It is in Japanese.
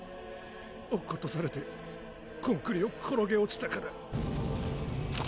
落っことされてコンクリを転げ落ちたから。